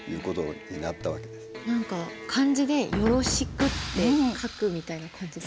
何か漢字で「夜露死苦」って書くみたいな感じですか？